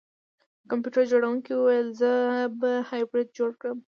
د کمپیوټر جوړونکي وویل زه به هایبریډ جوړ کړم